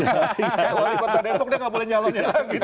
wali kota depok dia nggak boleh nyalonnya